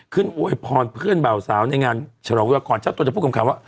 ขึ้นอวยพรเพื่อนเบ่าสาวในงานฉลองเวลากรแช่ตัวจะพูดคำคำว่า